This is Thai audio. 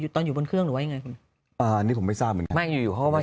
ตอนอยู่บนเครื่องหรือไงอันนี้ผมไม่ทราบยังไม่อยู่มาเป็น